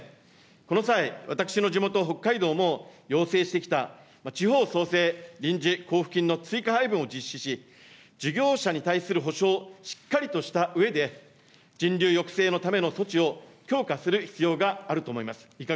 この際、私の地元、北海道も要請してきた地方創生臨時交付金の追加配分を実施し、事業者に対する補償をしっかりとしたうえで、人流抑制のための措置を強化する必要があると思います。